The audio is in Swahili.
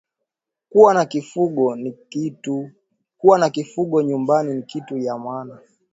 Kuwa na kifugo nyumbani ni kitu kya maana